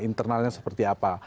internalnya seperti apa